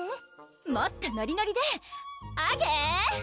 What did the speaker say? もっとノリノリでアゲー！